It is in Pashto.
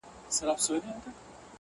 خدایه هغه مه اخلې زما تر جنازې پوري ـ